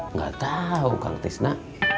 nggak tahu kang tisna